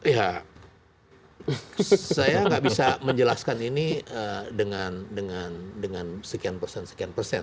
ya saya nggak bisa menjelaskan ini dengan sekian persen sekian persen